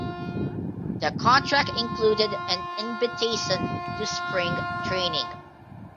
The contract included an invitation to spring training.